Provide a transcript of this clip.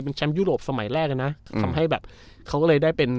แชมป์ยุโรปสมัยแรกอ่ะนะทำให้แบบเขาก็เลยได้เป็น